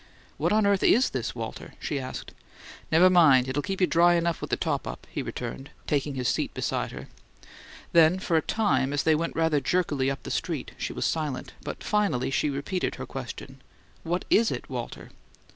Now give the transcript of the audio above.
"What on earth IS this, Walter?" she asked. "Never mind; it'll keep you dry enough with the top up," he returned, taking his seat beside her. Then for a time, as they went rather jerkily up the street, she was silent; but finally she repeated her question: "What IS it, Walter?"